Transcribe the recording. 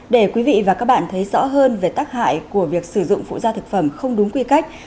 để quý vị và các bạn thấy rõ hơn về tác hại của việc sử dụng phụ gia thực phẩm không đúng quy cách